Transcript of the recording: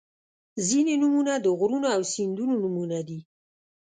• ځینې نومونه د غرونو او سیندونو نومونه دي.